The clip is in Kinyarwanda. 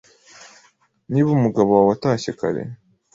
Niba umugabo wawe atashye kare